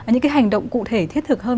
những cái hành động cụ thể thiết thực hơn